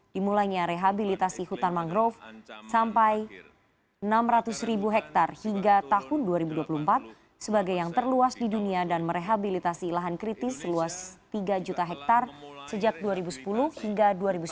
dimulainya rehabilitasi hutan mangrove sampai enam ratus ribu hektare hingga tahun dua ribu dua puluh empat sebagai yang terluas di dunia dan merehabilitasi lahan kritis seluas tiga juta hektare sejak dua ribu sepuluh hingga dua ribu sembilan belas